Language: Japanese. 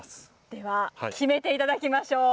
では決めていただきましょう。